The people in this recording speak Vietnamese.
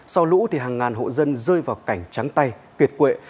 sau lũ hàng ngàn hộ dân rơi vào cảnh trắng tay kiệt quệ